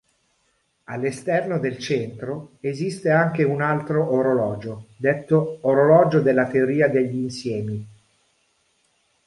All'esterno del centro esiste anche un altro orologio, detto Orologio della teoria degli insiemi.